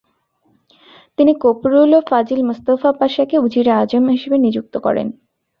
তিনি Koprulu Fazil Mustafa পাশাকে উজিরে আজম হিসেবে নিযুক্ত করেন।